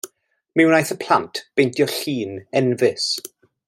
Mi wnaeth y plant beintio llun enfys.